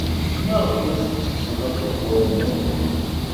Maɣef ur tettekkseḍ akebbuḍ-nnek?